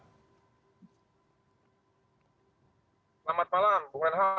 selamat malam bung renhar